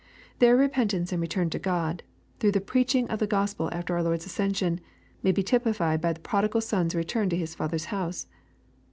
Their repentance and return to God, through the preacliing of the Gospel after our Lord's ascension, may be typified by the prodigal son's return to his father's house.